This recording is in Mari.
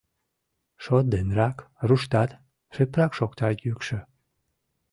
— Шот денрак, руштат, — шыпрак шокта йӱкшӧ.